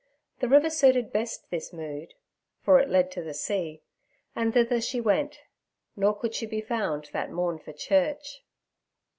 The river suited best this mood [for it led to the sea], and thither she went; nor could she be found that morn for church.